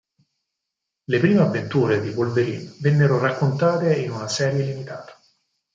Le prime avventure di "Wolverine" vennero raccontate in una serie limitata.